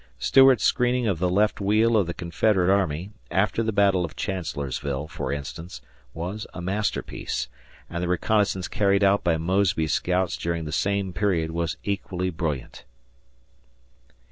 Stuart's screening of the left wheel of the Confederate army, after the battle of Chancellorsville, for instance, was a masterpiece, and the reconnaissance carried out by Mosby's scouts during the same period was equally brilliant.